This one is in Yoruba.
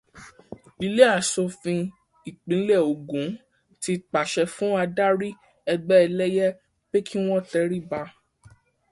Ilé aṣòfin ìpínlẹ̀ Ògùn ti pàṣẹ fún adarí ẹgbẹ́ ẹlẹ́yẹ pé kí wọ́n tẹríba